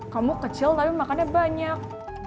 kamu kecil tapi makannya banyak